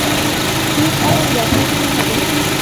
This এবং জফরির কী হবে?